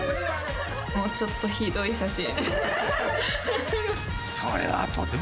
もうちょっとひどい写真。